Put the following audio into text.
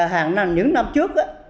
hàng năm những năm trước